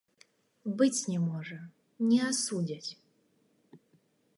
Быць не можа, не асудзяць.